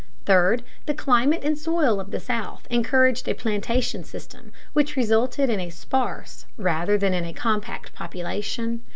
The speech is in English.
Third, the climate and soil of the South encouraged a plantation system which resulted in a sparse rather than in a compact population.